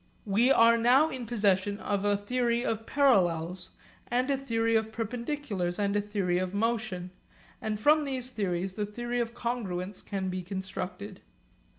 We are now in possession of a theory of parallels and a theory of perpendiculars and a theory of motion, and from these theories the theory of congruence can be constructed.